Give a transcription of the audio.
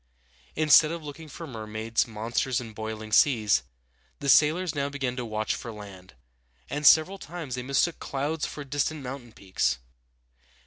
Instead of looking for mermaids, monsters, and boiling seas, the sailors now began to watch for land, and several times they mistook clouds for distant mountain peaks.